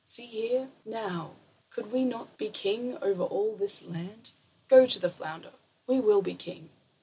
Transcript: See here, now, could we not be king over all this land? Go to the flounder. We will be king."